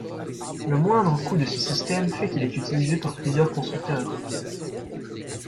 Le moindre coût de ce système fait qu'il est utilisé par plusieurs constructeurs.